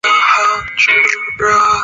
英国组合城市